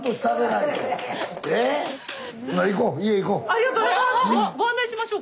ありがとうございます！